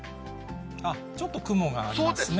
ちょっと雲がありますね。